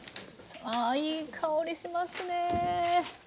ああいい香りしますね！